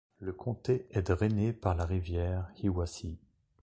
Le comté est drainé par la rivière Hiwassee.